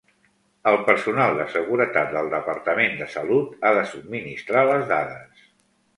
El personal de seguretat del Departament de Salut ha de subministrar les dades.